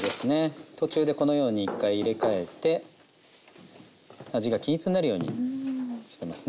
途中でこのように一回入れ替えて味が均一になるようにしてますね。